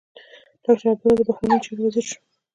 ډاکټر عبدالله د بهرنيو چارو وزیر شو.